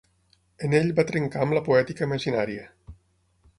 En ell va trencar amb la poètica imaginària.